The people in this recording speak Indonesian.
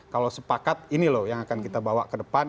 kalau sepakat ini loh yang akan kita bawa ke depan